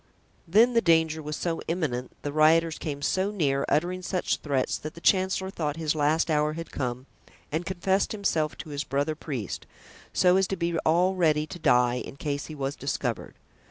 Then the danger was so imminent, the rioters came so near, uttering such threats, that the chancellor thought his last hour had come and confessed himself to his brother priest, so as to be all ready to die in case he was discovered.